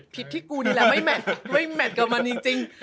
ผิดที่กูนี่แหละไม่แมทไม่แมทกับมันจริง